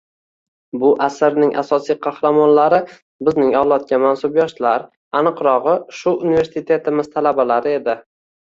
Bu asarning asosiy qahramonlari bizning avlodga mansub yoshlar, aniqrog`i, shu universitetimiz talabalari edi